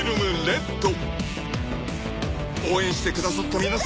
［応援してくださった皆さん